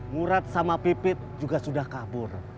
murad sama pipit juga sudah kabur